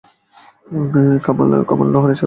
কামাল লোহানী ছাত্রজীবনে রাজনীতির সাথে যুক্ত হন।